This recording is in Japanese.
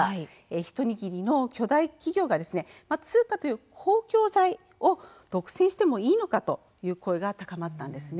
一握りの巨大企業が通貨という公共財を独占してもいいのかといった声が高まったんですね。